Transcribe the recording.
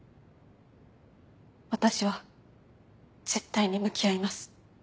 私は絶対に向き合います。